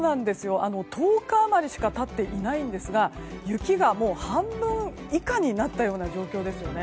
１０日余りしか経っていないんですが雪が半分以下になったような状況ですよね。